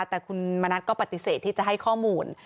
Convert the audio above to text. แต่คุณมณัฐก็ปฏิเสธที่จะให้ข้อมูล